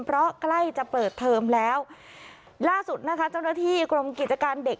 เพราะใกล้จะเปิดเทอมแล้วล่าสุดนะคะเจ้าหน้าที่กรมกิจการเด็ก